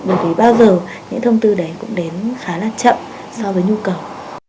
bởi vì bao giờ những thông tư đấy cũng đến khá là chậm so với nhu cầu